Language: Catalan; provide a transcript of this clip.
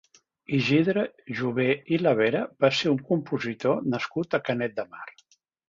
Isidre Jover i Lavera va ser un compositor nascut a Canet de Mar.